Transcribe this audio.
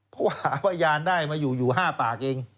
เพราะว่าหาพยานได้มาอยู่อยู่๕ปากเอง